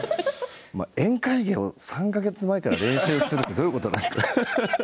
宴会芸を３か月前から練習するってどういうことなんですかね。